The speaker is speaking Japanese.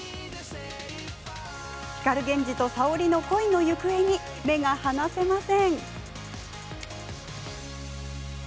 光源氏と沙織の恋の行方に目が離せません。